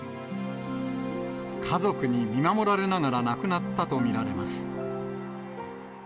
家族に見守られながら亡くなったと見られます。